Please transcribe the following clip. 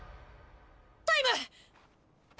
タイム！